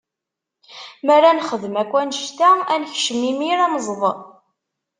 Mi ara nexdem akk anect-a, ad nekcem imir ad nẓeḍ.